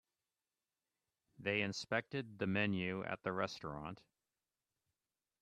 They inspected the menu at the restaurant.